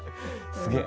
すげえ。